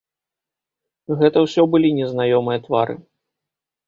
Гэта ўсё былі незнаёмыя твары.